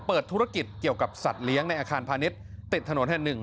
เปิดธุรกิจเกี่ยวกับสัตว์เลี้ยงในอาคารพาณิชย์ติดถนนแห่งหนึ่ง